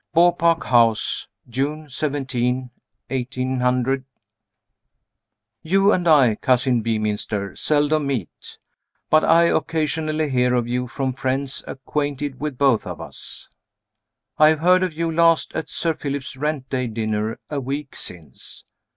Beaupark House, June 17th, 18 . You and I, Cousin Beeminster, seldom meet. But I occasionally hear of you, from friends acquainted with both of us. I have heard of you last at Sir Philip's rent day dinner a week since.